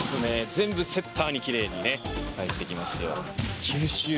全部セッターに奇麗に返ってきますよ。